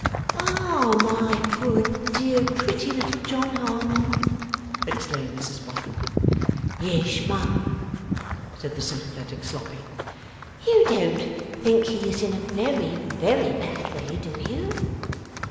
'Ah, my poor dear pretty little John Harmon!' exclaimed Mrs Boffin. 'Yes mum,' said the sympathetic Sloppy. 'You don't think he is in a very, very bad way, do you?